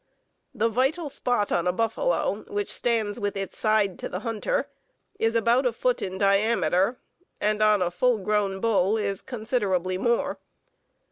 The vital spot on a buffalo which stands with its side to the hunter is about a foot in diameter, and on a full grown bull is considerably more.